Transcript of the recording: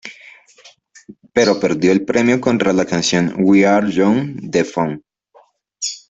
Pero perdió el premio contra la canción We Are Young de Fun.